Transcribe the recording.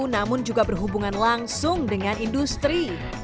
namun juga berhubungan langsung dengan industri